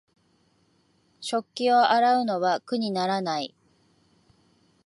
食器を洗うのは苦にならない